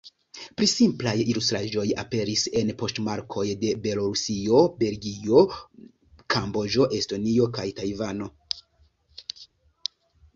Pli simplaj ilustraĵoj aperis en poŝtmarkoj de Belorusio, Belgio, Kamboĝo, Estonio kaj Tajvano.